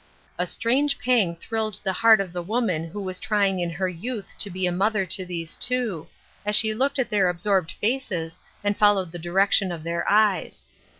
A strange pang thrilled the heart of the woman who was trying in her youth to be a mother to these two, as she looked at their absorbed faces and followed the direction of their eyes.